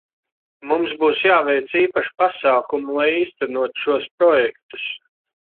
Mums būs jāveic īpaši pasākumi, lai īstenotu šos projektus.